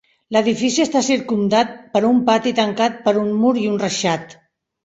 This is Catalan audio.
L'edifici està circumdat per un pati tancat per un mur i un reixat.